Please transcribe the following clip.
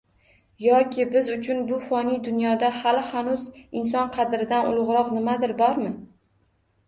Yoki biz uchun bu foniy dunyoda hali-hanuz inson qadridan ulug‘roq nimadir bormi?